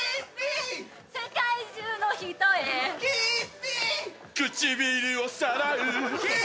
世界中の人へ唇をさらう。